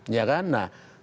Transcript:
ya kan nah oleh